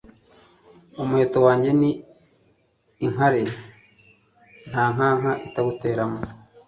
Umuheto wanjye ni inkare nta nkaka itawuteramo